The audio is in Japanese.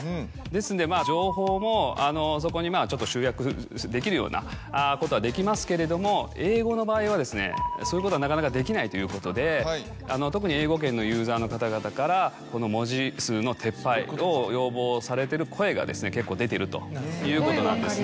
ですので情報もそこに集約できるようなことはできますけれども英語の場合はそういうことがなかなかできないということで特に英語圏のユーザーの方々から文字数の撤廃を要望されてる声が結構出てる。